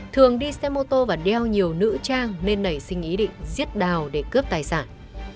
thường đi xe mô tô và đeo nhiều nữ trang nên nảy sinh ý định giết đào để cướp tài sản